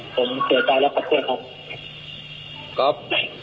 ผมเสียใจแล้วครับเพื่อนครับ